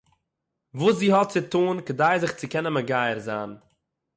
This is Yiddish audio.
וואָס זי האָט צו טאָן כדי זיך צו קענען מגייר זיין